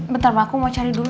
bentar pak aku mau cari dulu